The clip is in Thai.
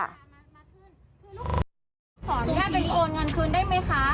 สูงชิงโอนเงินคืนได้ไหมคะ